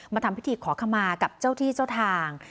ทำพิธีขอขมากับเจ้าที่เจ้าทาง